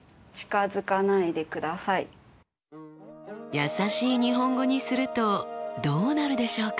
やさしい日本語にするとどうなるでしょうか？